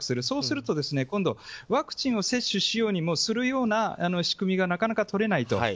そうすると、今度ワクチンを接種しようにもするような仕組みがなかなかとれないと。